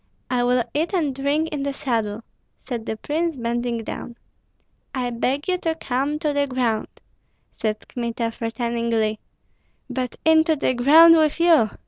I will eat and drink in the saddle," said the prince, bending down. "I beg you to come to the ground!" said Kmita, threateningly. "But into the ground with you!"